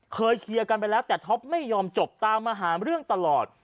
เคลียร์กันไปแล้วแต่ท็อปไม่ยอมจบตามมาหาเรื่องตลอด